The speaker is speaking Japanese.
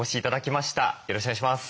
よろしくお願いします。